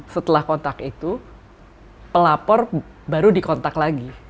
setelah kontak itu pelapor baru dikontak lagi